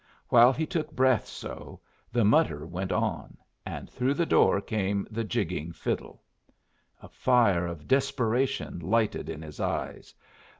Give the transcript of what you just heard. While he took breath so, the mutter went on, and through the door came the jigging fiddle. A fire of desperation lighted in his eyes.